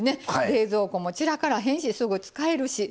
冷蔵庫も散らからへんしすぐ使えるしね！